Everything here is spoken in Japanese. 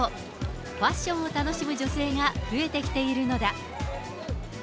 ファッションを楽しむ女性が増えてきているのだ。